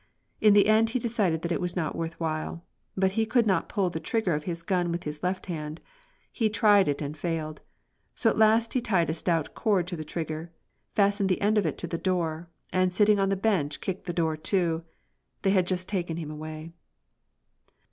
In the end he decided that it was not worth while. But he could not pull the trigger of his gun with his left hand. He tried it and failed. So at last he tied a stout cord to the trigger, fastened the end of it to the door, and sitting on the bench kicked the door to. They had just taken him away.